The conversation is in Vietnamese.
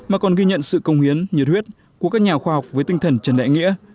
mà còn ghi nhận sự công hiến nhiệt huyết của các nhà khoa học với tinh thần trần đại nghĩa